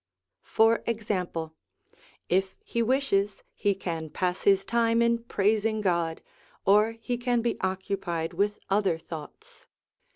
For example, if he wishes, he can pass his time in praising God, or he can be occupied with other thoughts.